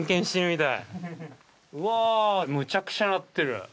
うわあむちゃくちゃなってる。